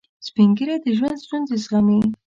سپین ږیری د ژوند ستونزې زغمي